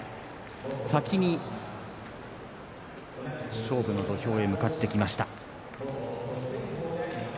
先に勝負の土俵へ向かってきました。